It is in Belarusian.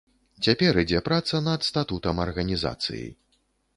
Цяпер ідзе праца над статутам арганізацыі.